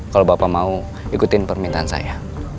kalau bapak mau ikutin permintaan saya